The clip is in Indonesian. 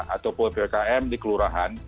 ataupun ppkm di kelurahan